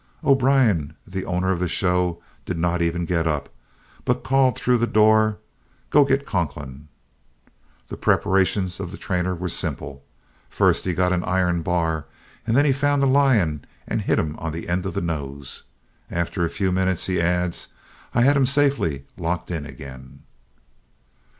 O'Brien, the owner of the show, did not even get up, but called through the door "Go git Conklin!" The preparations of the trainer were simple. First he got an iron bar and then he found the lion and hit him on the end of the nose. "After a few minutes," he adds, "I had him safely locked in again."